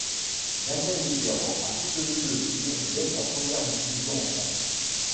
Danielle Mitterrand a soutenu le film dès sa première diffusion en France.